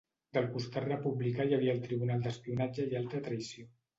Del costat republicà hi havia el Tribunal d'Espionatge i Alta Traïció.